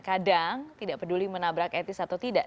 kadang tidak peduli menabrak etis atau tidak